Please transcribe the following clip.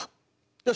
よし。